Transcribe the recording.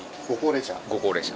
ご高齢者。